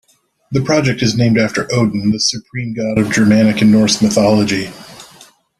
The project is named after Odin, the supreme god of Germanic and Norse mythology.